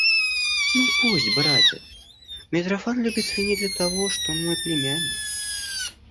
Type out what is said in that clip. Ну пусть, братец, Митрофан любит свиней для того, что он мой племянник.